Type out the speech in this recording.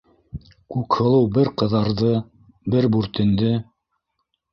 - Күкһылыу бер ҡыҙарҙы, бер бүртенде.